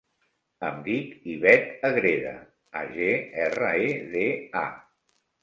Em dic Ivet Agreda: a, ge, erra, e, de, a.